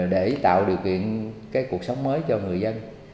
để tạo điều kiện cái cuộc sống mới cho người dân